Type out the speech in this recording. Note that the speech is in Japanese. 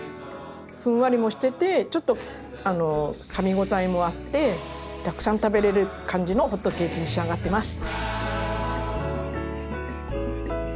ふんわりもしててちょっとかみ応えもあってたくさん食べれる感じのホットケーキに仕上がってます。